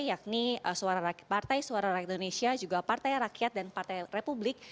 yakni partai suara rakyat indonesia juga partai rakyat dan partai republik